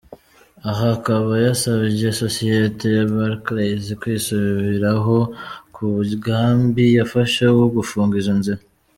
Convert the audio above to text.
Aha akaba yasabye sosiyete ya Barclays kwisubiraho ku mugambi yafashe wo gufunga izo nzira.